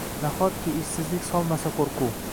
Nahotki, ishqsizlik solmasa qo’rquv!